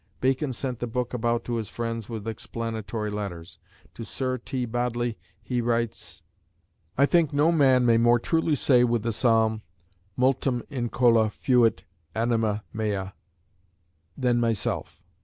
Bacon sent the book about to his friends with explanatory letters. To Sir T. Bodley he writes: "I think no man may more truly say with the Psalm, Multum incola fuit anima mea [Ps. 120] than myself.